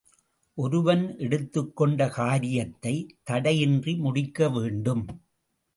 ஒருவன் எடுத்துக் கொண்ட காரியத்தை தடையின்றி முடிக்க வேண்டும்.